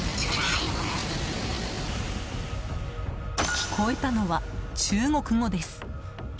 聞こえたのは、中国語です。